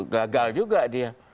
gagal juga dia